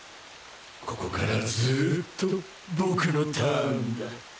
ここからずっと僕のターンだ。